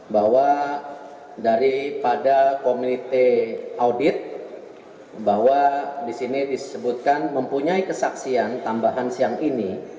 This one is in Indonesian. bahwa daripada komite audit bahwa disini disebutkan mempunyai kesaksian tambahan siang ini